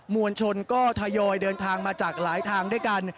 วลชนก็ทยอยเดินทางมาจากหลายทางด้วยกัน